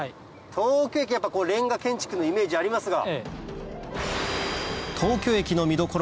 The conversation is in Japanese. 東京駅やっぱれんが建築のイメージありますが。